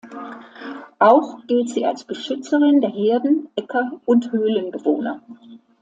Auch gilt sie als Beschützerin der Herden, Äcker und Höhlenbewohner.